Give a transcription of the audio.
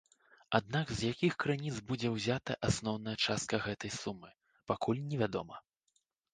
Аднак з якіх крыніц будзе ўзятая асноўная частка гэтай сумы, пакуль невядома.